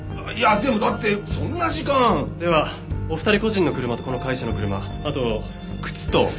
いやでもだってそんな時間！ではお二人個人の車とこの会社の車あと靴と。